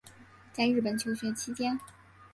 在日本求学期间